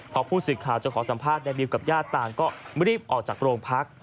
พอผู้สื่อข่าวจะขอสัมภาษณ์นายบิวกับญาติต่างก็รีบออกจากโรงพัก